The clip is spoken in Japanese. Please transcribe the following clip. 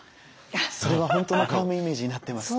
それは本当のカームイメージになってます。